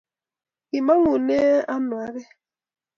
kimangunee ano agei